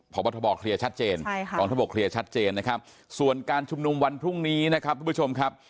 เพราะว่าทบอกเคลียร์ชัดเจนส่วนการชุมนุมวันพรุ่งนี้นะครับทุกผู้ชมครับ